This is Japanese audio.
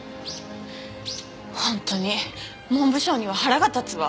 本当に文部省には腹が立つわ。